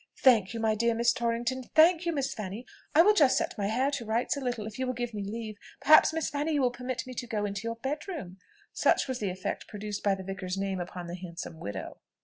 Thank you, my dear Miss Torrington; thank you, Miss Fanny: I will just set my hair to rights a little, if you will give me leave. Perhaps, Miss Fanny, you will permit me to go into your bed room?" Such was the effect produced by the vicar's name upon the handsome widow.